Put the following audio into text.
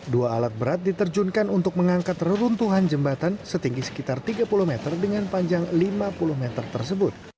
dua alat berat diterjunkan untuk mengangkat reruntuhan jembatan setinggi sekitar tiga puluh meter dengan panjang lima puluh meter tersebut